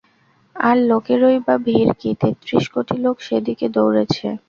আর লোকেরই বা ভিড় কি, তেত্রিশ কোটি লোক সে দিকে দৌড়েছে।